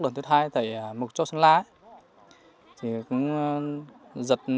đợt thứ hai tại mộc châu săn la